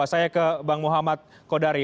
saya ke bang muhammad kodari